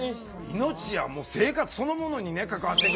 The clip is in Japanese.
命や生活そのものに関わってくる。